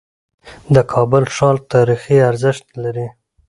د کابل ښار تاریخي ارزښت لري.